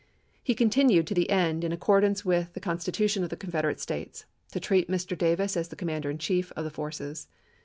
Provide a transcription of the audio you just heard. He continued to the end, in accordance with the con stitution of the Confederate States, to treat Mr. Davis as the Commander in Chief of the forces.